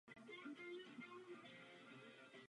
Brian v následujících letech často ztrácí vědomí.